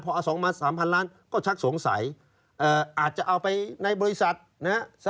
พอเอา๒มา๓๐๐ล้านก็ชักสงสัยอาจจะเอาไปในบริษัทนะฮะ